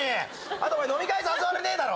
あとお前飲み会誘われねえだろ。